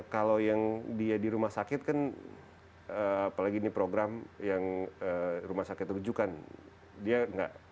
kalau yang dia di rumah sakit kan apalagi ini program yang rumah sakit terujukan dia nggak itu ditanggung bpjs ya